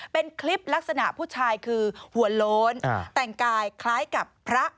เป็นคลิปลักษณะผู้ชายคือหัวโล้นแต่งกายคล้ายกับพระ